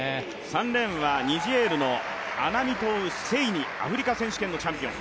３レーンはニジェールのアミナトウ・セイニアフリカ選手権のチャンピオン。